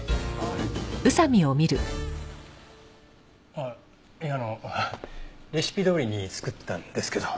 あっいやあのレシピどおりに作ったんですけど。